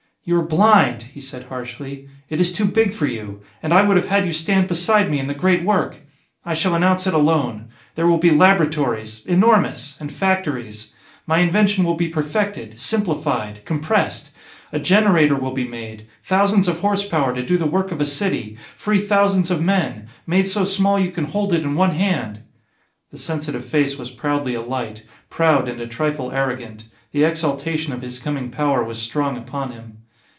"You are blind," he said harshly; "it is too big for you. And I would have had you stand beside me in the great work.... I shall announce it alone.... There will be laboratories enormous! and factories. My invention will be perfected, simplified, compressed. A generator will be made thousands of horsepower to do the work of a city, free thousands of men made so small you can hold it in one hand." The sensitive face was proudly alight, proud and a trifle arrogant. The exaltation of his coming power was strong upon him.